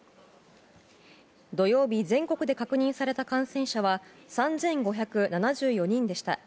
土曜日全国で確認された感染者は３５７４人でした。